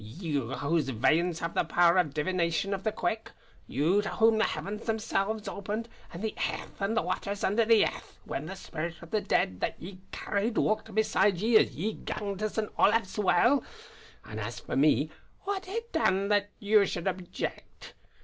You whose veins have the power o' divination of the quick; you to whom the heavens themselves opened, and the airth and the watters under the airth, when the spirit of the Dead that ye carried walked beside ye as ye ganged to St. Olaf's Well. An' as for me, what hae I done that you should object.